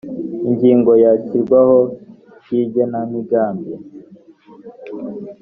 ingingo ya ishyirwaho ry igenamigambi